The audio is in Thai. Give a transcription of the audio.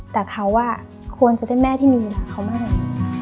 แต่เขาควรจะได้แม่ที่มีรักเขามาก